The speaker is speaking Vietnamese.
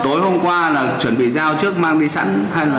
tối hôm qua là chuẩn bị dao trước mang đi sẵn hay là